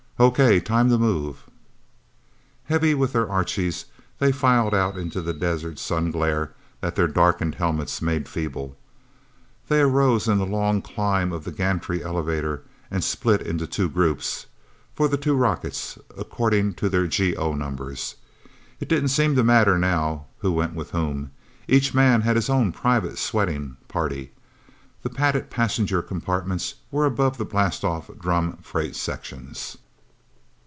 "Okay time to move!" Heavy with their Archies, they filed out into desert sun glare that their darkened helmets made feeble. They arose in the long climb of the gantry elevator and split into two groups, for the two rockets, according to their GO numbers. It didn't seem to matter, now, who went with whom. Each man had his own private sweating party. The padded passenger compartments were above the blastoff drum freight sections.